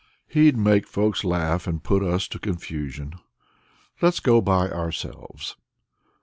He'd make folks laugh and put us to confusion; let's go by ourselves."